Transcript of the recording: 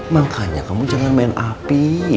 makanya kamu jangan main api